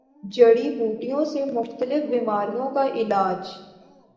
جڑی بوٹیوں سےمختلف بیماریوں کا علاج